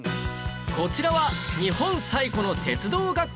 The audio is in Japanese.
こちらは日本最古の鉄道学校